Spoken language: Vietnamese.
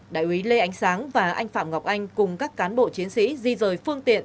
đại úy lê ánh sáng và anh phạm ngọc anh cùng các cán bộ chiến sĩ di rời phương tiện